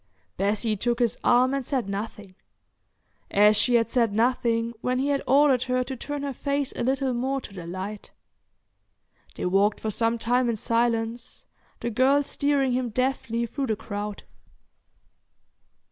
Bessie took his arm and said nothing—as she had said nothing when he had ordered her to turn her face a little more to the light. They walked for some time in silence, the girl steering him deftly through the crowd.